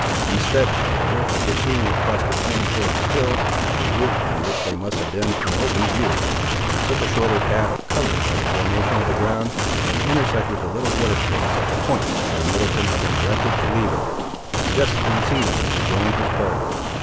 Instead, however, of proceeding across the plain towards the hill, a route on which they must have been in open view, they took a shorter path, covered by the formation of the ground, and intersected the little water course at the point where Middleton had been directed to leave it, and just in season to join his party.